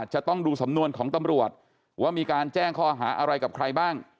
จะต้องดูสำนวนของตำรวจว่ามีการแจ้งข้อหาอะไรกับใครบ้าง